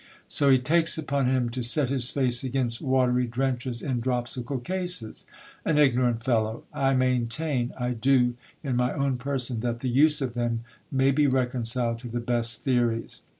So he takes upon him to set his face against watery drenches in dropsical cases ? An ignorant fellow ! I maintain, I do, in my own person, that the use of them may be reconciled to the best theories.